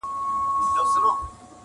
ستا وینا راته پیدا کړه دا پوښتنه٫